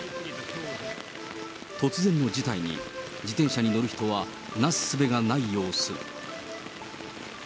突然の事態に、自転車に乗る人はなすすべがない様子。